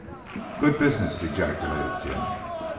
"Good business!" ejaculated Jim.